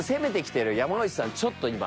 ちょっと今。